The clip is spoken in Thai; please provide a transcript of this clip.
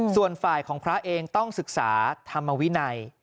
ส่วนฝ่ายของพระเองต้องศึกษาธรรมวินัย